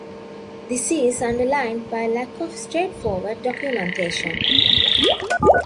This is underlined by lack of straightforward documentation.